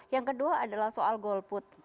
yang kedua adalah soal golput